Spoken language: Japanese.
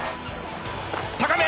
高め！